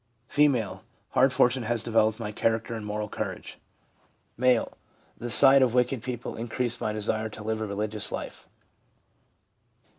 F. ' Hard fortune has developed my character and moral courage.' M. 'The sight of wicked people increased my desire to live a religious life.'